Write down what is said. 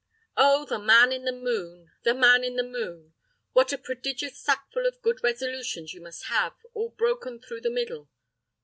Oh, the man in the moon! the man in the moon! What a prodigious sackful of good resolutions you must have, all broken through the middle.